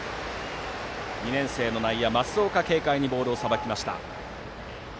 ２年生の内野、益岡が軽快にボールをさばきました。